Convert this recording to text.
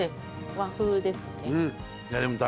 和風ですよね。